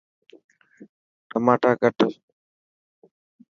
ٽماٽا ڪٽ.